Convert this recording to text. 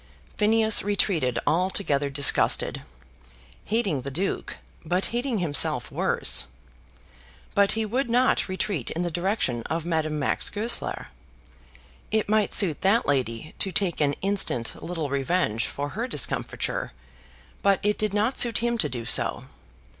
Phineas retreated altogether disgusted, hating the Duke, but hating himself worse; but he would not retreat in the direction of Madame Max Goesler. It might suit that lady to take an instant little revenge for her discomfiture, but it did not suit him to do so.